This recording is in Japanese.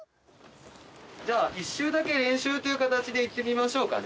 じゃあ１周だけ練習という形でいってみましょうかね。